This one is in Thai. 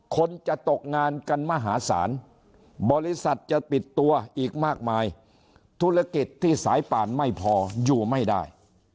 คนจะตกงานกันมหาศาลบริษัทจะติดตัวอีกมากมายธุรกิจที่สายป่านไม่พออยู่ไม่ได้